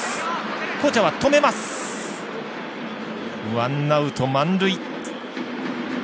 ワンアウト、満塁。